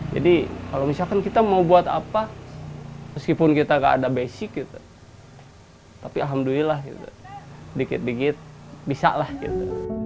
jadi kalau misalkan kita mau buat apa meskipun kita gak ada basic gitu tapi alhamdulillah gitu dikit dikit bisa lah gitu